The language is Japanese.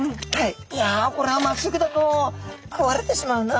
いやあこれはまっすぐだと食われてしまうな。